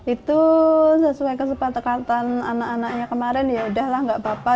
itu sesuai kesepakatan anak anaknya kemarin ya udahlah nggak apa apa